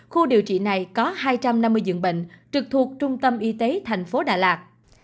khu điều trị này có hai trăm năm mươi giường bệnh trực thuộc trung tâm y tế thành phố đà lạt